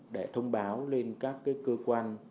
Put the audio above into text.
để thông báo lên các cơ quan